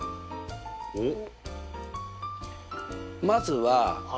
おっ。